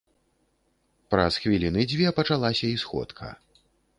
Праз хвіліны дзве пачалася і сходка.